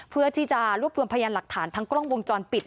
เพื่อที่จะรวบรวมพยานหลักฐานทั้งกล้องวงจรปิด